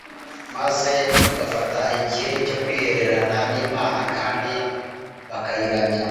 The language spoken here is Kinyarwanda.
maze bagafata igihe cyo kwihererana n’Imana kandi bakayiramya